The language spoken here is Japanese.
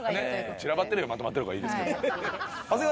散らばってるよりまとまってる方がいいですけど。